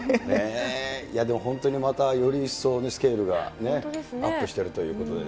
でも本当にまたより一層、スケールがアップしているということで。